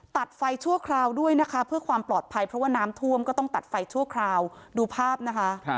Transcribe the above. ตัดไฟชั่วคราวด้วยนะคะเพื่อความปลอดภัยเพราะว่าน้ำท่วมก็ต้องตัดไฟชั่วคราวดูภาพนะคะ